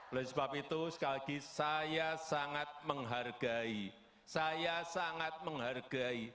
oleh sebab itu sekali lagi saya sangat menghargai saya sangat menghargai